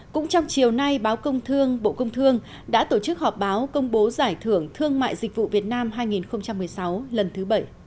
cũng trong chiều nay báo công thương bộ công thương đã tổ chức họp báo công bố giải thưởng thương mại dịch vụ việt nam hai nghìn một mươi sáu lần thứ bảy